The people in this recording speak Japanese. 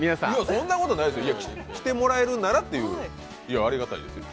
そんなことないですよ、来てもらえるならと、ありがたいですよ